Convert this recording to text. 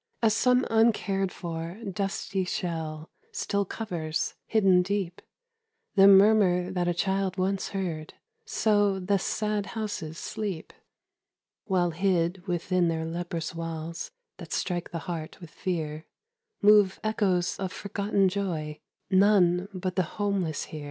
As some uncared for, dusty shell Still covers, hidden deep, The murmur that a child once heard, So the sad houses sleep While hid within their leprous walls That strike the heart with fear, Move echoes of forgotten joy None but the homeless hear.